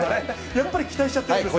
やっぱり期待しちゃってるんですね。